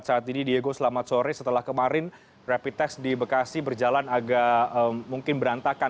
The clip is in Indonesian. saat ini diego selamat sore setelah kemarin rapid test di bekasi berjalan agak mungkin berantakan